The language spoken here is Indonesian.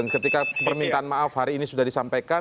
ketika permintaan maaf hari ini sudah disampaikan